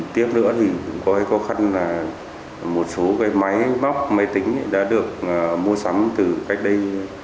tiếc nữa có khó khăn là một số máy móc máy tính đã được mua sắm từ cách đây